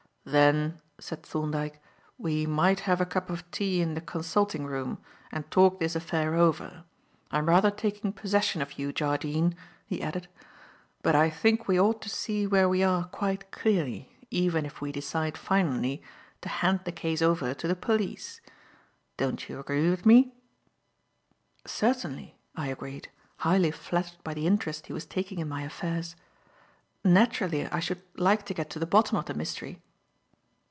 "Then," said Thorndyke, "we might have a cup of tea in the consulting room and talk this affair over. I am rather taking possession of you, Jardine," he added, "but I think we ought to see where we are quite clearly, even if we decide finally to hand the case over to the police. Don't you agree with me?" "Certainly," I agreed, highly flattered by the interest he was taking in my affairs; "naturally, I should like to get to the bottom of the mystery."